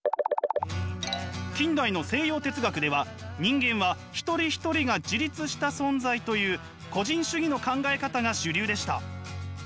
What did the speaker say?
近代の西洋哲学では人間は一人一人が自立した存在という個人主義の考え方が主流でした。